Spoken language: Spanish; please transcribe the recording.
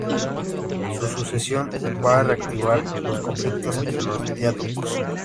Su sucesión va a reactivar los conflictos entre los diádocos.